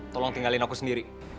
tolong tinggalin aku sendiri